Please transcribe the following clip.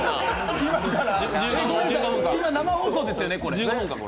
今生放送ですよね、これ？